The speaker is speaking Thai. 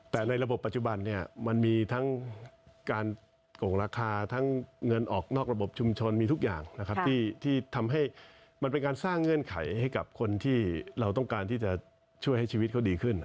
แต่ในระบบปัจจุบันเนี่ยมันมีทั้งการโกงราคาทั้งเงินออกนอกระบบชุมชนมีทุกอย่างนะครับที่ทำให้มันเป็นการสร้างเงื่อนไขให้กับคนที่เราต้องการที่จะช่วยให้ชีวิตเขาดีขึ้น